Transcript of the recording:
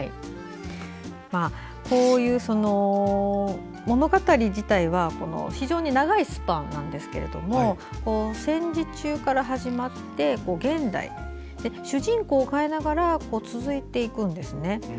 こういう物語自体は非常に長いスパンなんですが戦時中から始まって現代主人公を代えながら続いていくんですね。